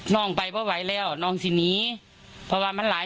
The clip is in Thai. น้องไปเพราะไหวแล้วน้องที่หนีเพราะว่ามันไหล